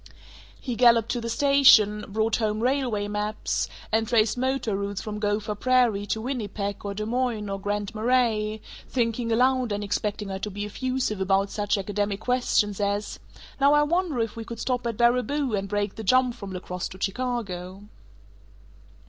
He galloped to the station, brought home railway maps, and traced motor routes from Gopher Prairie to Winnipeg or Des Moines or Grand Marais, thinking aloud and expecting her to be effusive about such academic questions as "Now I wonder if we could stop at Baraboo and break the jump from La Crosse to Chicago?"